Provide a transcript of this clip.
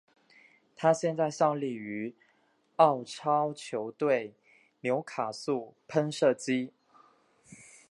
他现在效力于澳超球队纽卡素喷射机。